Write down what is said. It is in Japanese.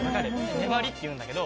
根張りっていうんだけど。